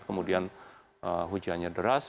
kemudian hujannya deras